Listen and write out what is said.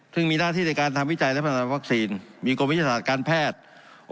ซึ่งมีหน้าที่ในการทำวิจัยและพัฒนาวัคซีนมีกรมวิทยาศาสตร์การแพทย์